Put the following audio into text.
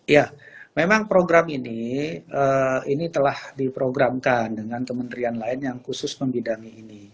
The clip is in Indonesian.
ya memang program ini ini telah diprogramkan dengan kementerian lain yang khusus membidangi ini